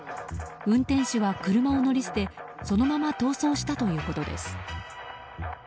運転手は車を乗り捨てそのまま逃走したということです。